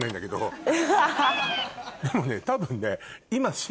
でもね多分ね。